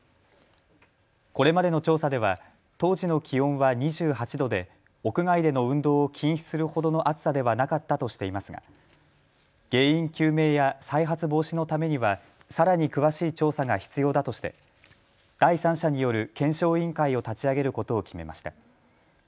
これまでの調査では当時の気温は２８度で、屋外での運動を禁止するほどの暑さではなかったとしていますが原因究明や再発防止のためにはさらに詳しい調査が必要だとして第三者による検証委員会を立ち上げることを決めました。